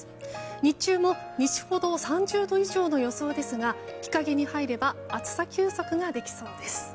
日中も西ほど３０度以上の予想ですが日陰に入れば暑さ休憩ができそうです。